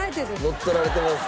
乗っ取られてます。